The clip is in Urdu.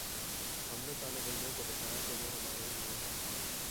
ہم نے طالب علموں کو بتایا کہ وہ ہمارے ہیرو ہیں۔